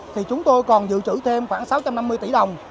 thì chúng tôi còn dự trữ thêm khoảng sáu trăm năm mươi tỷ đồng